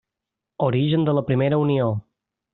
Origen de la primera Unió.